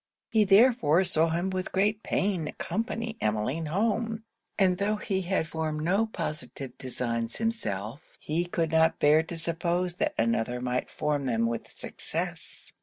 He therefore saw him with great pain accompany Emmeline home; and though he had formed no positive designs himself, he could not bear to suppose that another might form them with success.